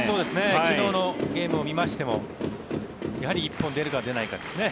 昨日のゲームを見ましてもやはり１本出るか出ないかですね。